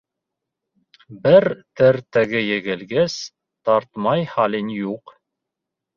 Бер тәртәгә егелгәс, тартмай хәлең юҡ.